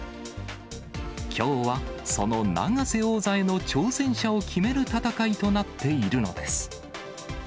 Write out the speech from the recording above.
きょうは、その永瀬王座への挑戦者を決める戦いとなっているのです。